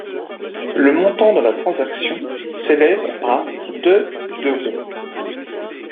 Le montant de la transaction s'élève à de d'euros.